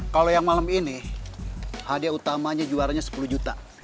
kalau yang malam ini hadiah utamanya juaranya sepuluh juta